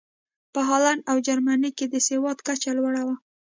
په هالنډ او جرمني کې د سواد کچه لوړه وه.